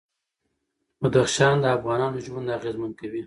بدخشان د افغانانو ژوند اغېزمن کوي.